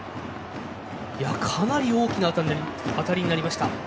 かなり大きな当たりになりました。